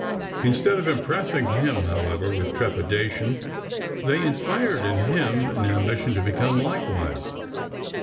Instead of impressing him, however, with trepidation, they inspired in him an ambition to become likewise.